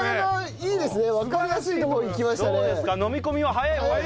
いいですね。